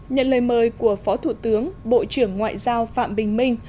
nhận lời mời của phó thủ tướng bộ trưởng ngoại giao phạm bình minh